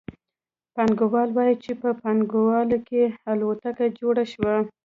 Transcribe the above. پانګوال وايي چې په پانګوالي کې الوتکه جوړه شوه